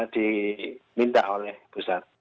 diminta oleh pusat